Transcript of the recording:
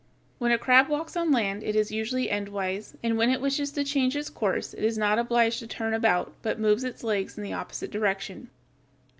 When a crab walks on land it is usually endwise, and when it wishes to change its course it is not obliged to turn about but moves its legs in the opposite direction.